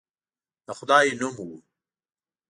د خدای نوم وو.